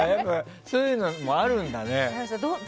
そういうのもあるんだね。